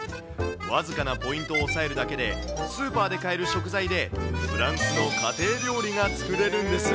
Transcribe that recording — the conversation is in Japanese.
僅かなポイントを押さえるだけで、スーパーで買える食材でフランスの家庭料理が作れるんです。